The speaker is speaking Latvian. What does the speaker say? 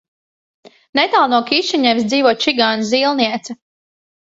Netālu no Kišiņevas dzīvo čigānu zīlniece.